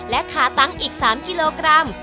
และขาตั้งอีก๓กิโลกรัม